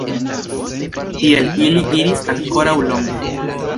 Tiel ili iris ankoraŭ longe.